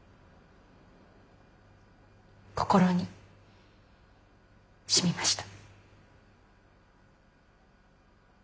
心にしみました。